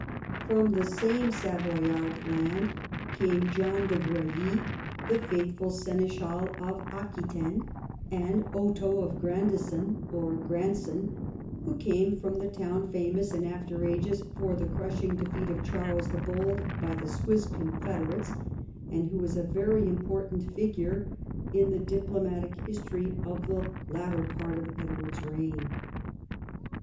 From that same Savoyard land came John de Grailly, the faithful seneschal of Aquitaine, and Otho of Grandison, or Grandson, who came from the town famous in after ages for the crushing defeat of Charles the Bold by the Swiss confederates, and who was a very important figure in the diplomatic history of the latter part of Edward's reign.